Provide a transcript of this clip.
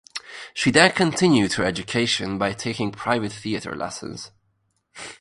She then continued her education by taking private theater lessons.